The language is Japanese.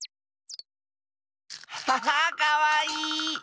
アハハッかわいい！